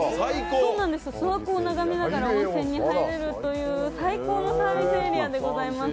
諏訪湖を眺めながら温泉に入れるという最高のサービスエリアでございます。